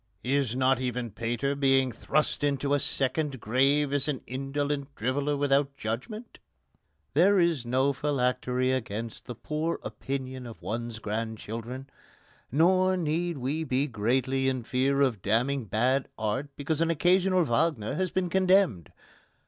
Is not even Pater being thrust into a second grave as an indolent driveller without judgment? There is no phylactery against the poor opinion of one's grandchildren. Nor need we be greatly in fear of damning bad art because an occasional Wagner has been condemned.